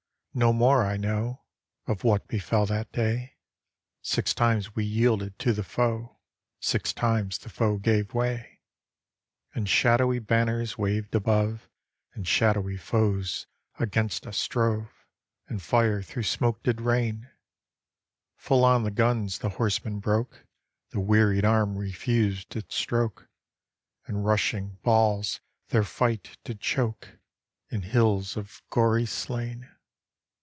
No more I know Of what befell that day; Six times we yielded to the foe, Six times the foe gave way; And shadowy banners waved above, And shadowy foes against us strove, And fire through smoke did rain; Full on the guns the horsemen broke, The wearied arm refused its stroke. And rushing balls their fight did choke In hills of gory slain.